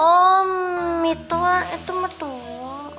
oh mito itu mertua